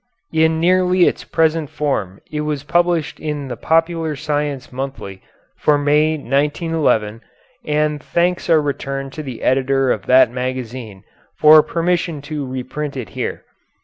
In nearly its present form it was published in The Popular Science Monthly for May, 1911, and thanks are returned to the editor of that magazine for permission to reprint it here.